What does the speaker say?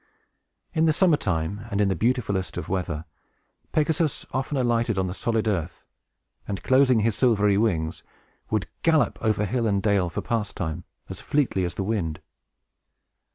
In the summer time, and in the beautifullest of weather, Pegasus often alighted on the solid earth, and, closing his silvery wings, would gallop over hill and dale for pastime, as fleetly as the wind.